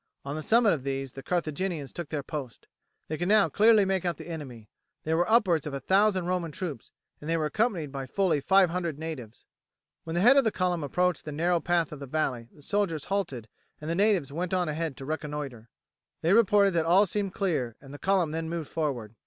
On the summit of these the Carthaginians took their post. They could now clearly make out the enemy; there were upwards of a thousand Roman troops, and they were accompanied by fully five hundred natives. When the head of the column approached the narrow path of the valley the soldiers halted and the natives went on ahead to reconnoitre. They reported that all seemed clear, and the column then moved forward.